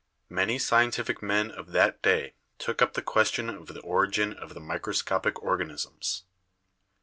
Many scientific men of that day took up the question of the origin of the microscopic organisms.